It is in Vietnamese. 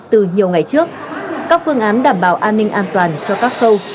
từ nhiều ngày trước các phương án đảm bảo an ninh an toàn cho các khâu